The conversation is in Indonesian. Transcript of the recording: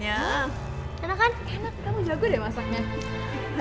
enak kamu jago deh masaknya